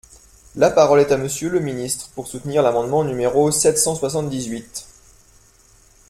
La parole est à Monsieur le ministre, pour soutenir l’amendement numéro sept cent soixante-dix-huit.